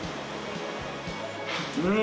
うん！